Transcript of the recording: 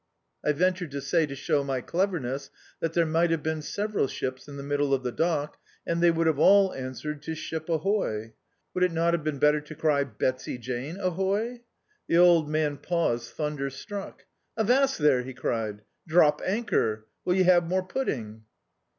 I ventured to say, to show my cleverness, that there might have been several ships in the middle of the dock, and they would have all answered to Ship ahoy. Would it not have been better to cry, Betsy Jane, ahoy? The old man paused thunderstruck. "Avast there," he cried, "drop anchor: will ye have more pud ding?"